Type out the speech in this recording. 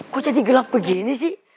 kok jadi gelap begini sih